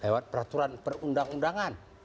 lewat peraturan perundang undangan